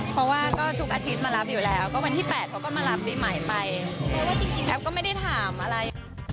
เพราะว่าก็ทุกอาทิตย์มารับอยู่แล้วก็วันที่๘เขาก็มารับปีใหม่ไปเพราะว่าจริงแอฟก็ไม่ได้ถามอะไร